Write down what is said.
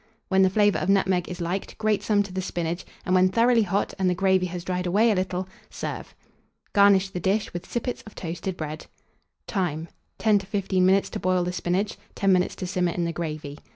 When the flavour of nutmeg is liked, grate some to the spinach, and when thoroughly hot, and the gravy has dried away a little, serve. Garnish the dish with sippets of toasted bread. Time. 10 to 15 minutes to boil the spinach; 10 minutes to simmer in the gravy.